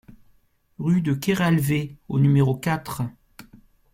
Rue de Keralvé au numéro quatre